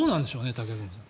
武隈さん。